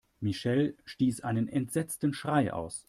Michelle stieß einen entsetzten Schrei aus.